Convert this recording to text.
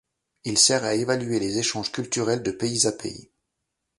Il sert à évaluer les échanges culturels de pays à pays.